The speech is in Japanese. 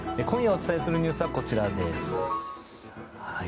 今夜お伝えするニュースはこちらです。